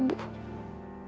aku harus bertemu dengan amira